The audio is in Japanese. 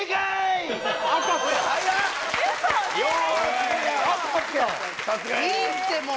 いいってもう。